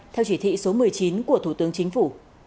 theo chỉ thị số một mươi chín của thủ tướng chính phủ